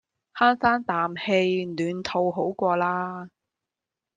慳番啖氣暖肚好過啦